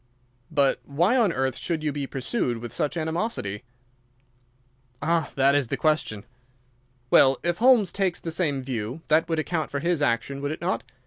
"But why on earth should you be pursued with such animosity?" "Ah, that is the question." "Well, if Holmes takes the same view, that would account for his action, would it not?